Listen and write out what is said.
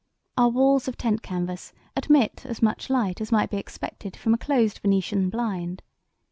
Our walls of tent canvas admit as much light as might be expected from a closed Venetian blind.